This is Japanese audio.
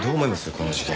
この事件。